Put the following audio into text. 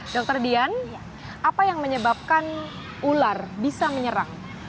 dokter dian apa yang menyebabkan ular bisa menyerang